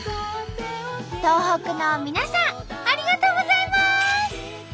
東北の皆さんありがとうございます！